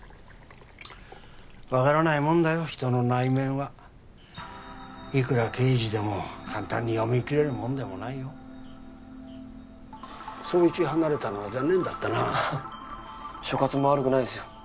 分からないもんだよ人の内面はいくら刑事でも簡単に読み切れるもんでもないよ捜一離れたのは残念だったな所轄も悪くないですよ